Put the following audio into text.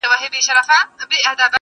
پېړۍ و سوه جګړه د تورو سپینو د روانه،